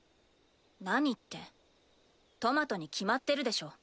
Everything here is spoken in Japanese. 何ってトマトに決まってるでしょ。